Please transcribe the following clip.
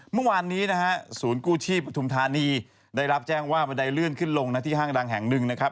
เมื่อวานนี้นะฮะศูนย์กู้ชีพปฐุมธานีได้รับแจ้งว่าบันไดเลื่อนขึ้นลงนะที่ห้างดังแห่งหนึ่งนะครับ